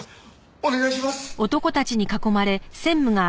お願いします！